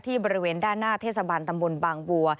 บริเวณด้านหน้าเทศบาลตำบลบางบัว